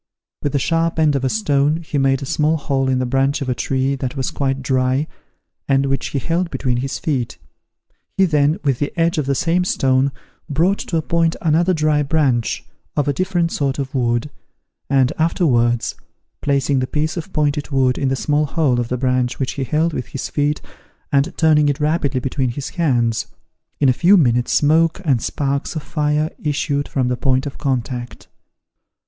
With the sharp end of a stone he made a small hole in the branch of a tree that was quite dry, and which he held between his feet: he then, with the edge of the same stone, brought to a point another dry branch of a different sort of wood, and, afterwards, placing the piece of pointed wood in the small hole of the branch which he held with his feet and turning it rapidly between his hands, in a few minutes smoke and sparks of fire issued from the point of contact.